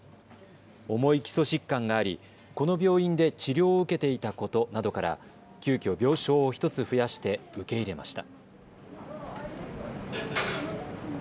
重い基礎疾患がありこの病院で治療を受けていたことなどから急きょ病床を１つ増やして受け入れました。